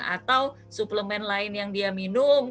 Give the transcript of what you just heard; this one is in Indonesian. atau suplemen lain yang dia minum